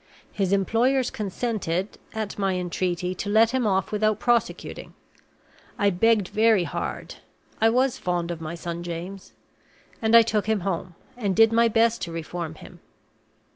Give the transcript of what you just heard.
His employers consented, at my entreaty, to let him off without prosecuting. I begged very hard I was fond of my son James and I took him home, and did my best to reform him.